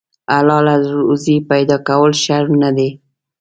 حلاله روزي پیدا کول شرم نه دی.